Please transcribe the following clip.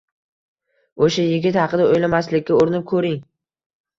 O`sha yigit haqida o`ylamaslikka urinib ko`ring